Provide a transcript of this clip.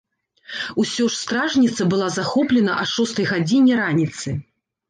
Усё ж стражніца была захоплена а шостай гадзіне раніцы.